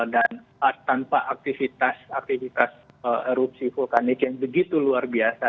dan tanpa aktivitas erupsi vulkanik yang begitu luar biasa